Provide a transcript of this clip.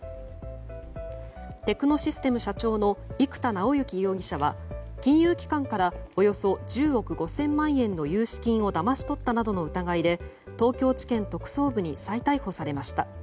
テクノシステム社長の生田尚之容疑者は金融機関からおよそ１０億５０００万円の融資金をだまし取ったなどの疑いで東京地検特捜部に再逮捕されました。